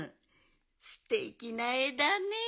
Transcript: すてきなえだね。